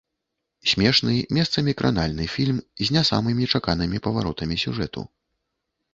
Смешны, месцамі кранальны фільм з не самымі чаканымі паваротамі сюжэту.